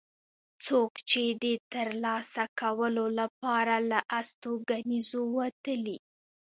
څوک چې د ترلاسه کولو لپاره له استوګنځیو وتلي.